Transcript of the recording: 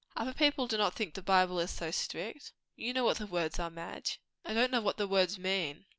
"Other people do not think the Bible is so strict." "You know what the words are, Madge." "I don't know what the words mean."